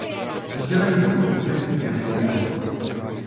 Rozdělení do podskupin je sporné.